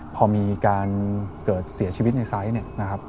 พอมีการเกิดเสียชีวิตในไซส์